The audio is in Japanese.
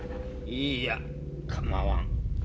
いいやかまわん。